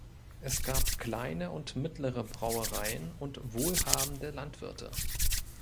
Es gab kleine und mittlere Brauereien und „wohlhabende Landwirte“.